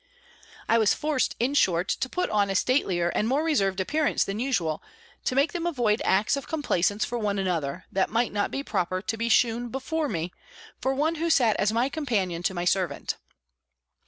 I was forced, in short, to put on a statelier and more reserved appearance than usual, to make them avoid acts of complaisance for one another, that might not be proper to be shewn before me, for one who sat as my companion, to my servant.